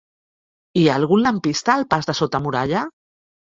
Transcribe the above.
Hi ha algun lampista al pas de Sota Muralla?